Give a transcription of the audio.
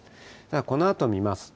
このあと見ますと。